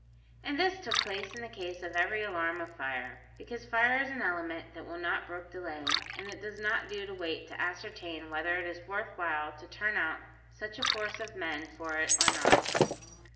And this took place in the case of every alarm of fire, because fire is an element that will not brook delay, and it does not do to wait to ascertain whether it is worth while to turn out such a force of men for it or not.